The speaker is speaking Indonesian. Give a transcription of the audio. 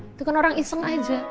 itu kan orang iseng aja